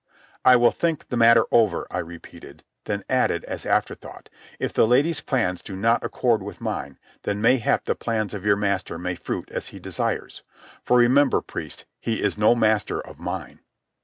"I will think the matter over," I repeated, then added, as afterthought: "If the lady's plans do not accord with mine, then mayhap the plans of your master may fruit as he desires. For remember, priest, he is no master of mine."